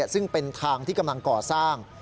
ซึ่งเป็นทางที่กำลังก่อสร้าง